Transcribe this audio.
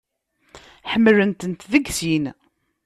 Ḥemmlen-tent deg sin.